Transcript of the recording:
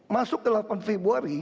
masuk ke delapan februari